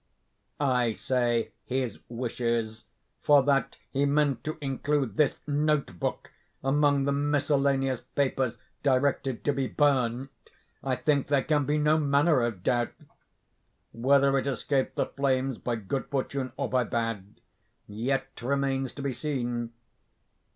I say 'his wishes,' for that he meant to include this note book among the miscellaneous papers directed 'to be burnt,' I think there can be no manner of doubt. Whether it escaped the flames by good fortune or by bad, yet remains to be seen.